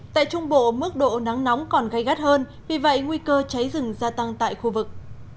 tại trung bộ mức độ nắng nóng còn gây gắt hơn vì vậy nguy cơ cháy rừng gia tăng tại khu vực